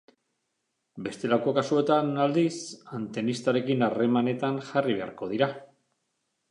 Bestelako kasuetan, aldiz, antenistarekin harremanetan jarri beharko dira.